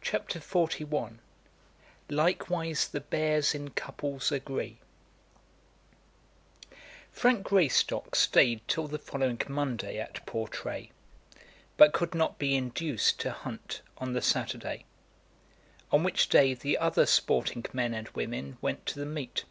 CHAPTER XLI "Likewise the Bears in Couples Agree" Frank Greystock stayed till the following Monday at Portray, but could not be induced to hunt on the Saturday, on which day the other sporting men and women went to the meet.